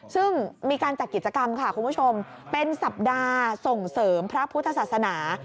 ซึ่งมีการจัดกิจกรรมค่ะคุณผู้ชมเป็นสัปดาห์ส่งเสริมพระพุทธศาสนา